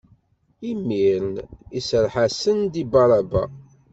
Imiren iserreḥ-asen-d i Bar Aba.